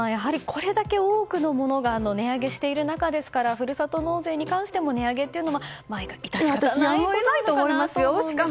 これだけ多くのものが値上げしている中ですからふるさと納税に関しても値上げというのは致し方ないことなんでしょうか。